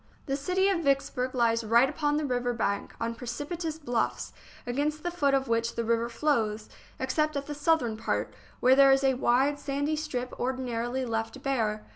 The city of Vicksburg lies right upon the river bank, on precipitous bluffs, against the foot of which the river flows, except at the southern part, where there is a wide, sandy strip ordinarily left bare.